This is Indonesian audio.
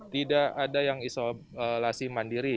tidak ada yang isolasi mandiri